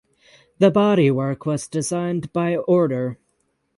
The bodywork was designed by order.